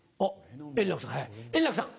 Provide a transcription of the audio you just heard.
円楽さん